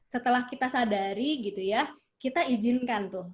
setelah kita sadari kita izinkan